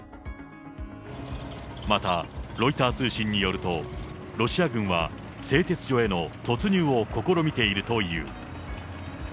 またロイター通信によると、ロシア軍は製鉄所への突入を試みているという。